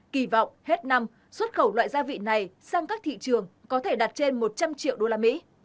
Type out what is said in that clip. kỳ vọng hết năm xuất khẩu loại gia vị này sang các thị trường có thể đạt trên một trăm linh triệu đô la mỹ